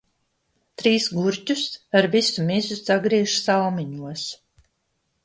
Trīs gurķus ar visu mizu sagriež salmiņos.